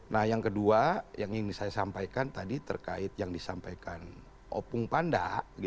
nah yang kedua yang ingin saya sampaikan tadi terkait yang disampaikan opung panda